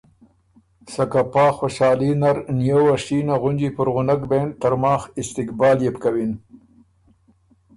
سکه پا خوشالي نر نیووه شینه غُنجی پُرغنک بېن ترماخ استقبال يې بو کوِن۔